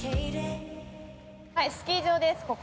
◆はい、スキー場です、ここ。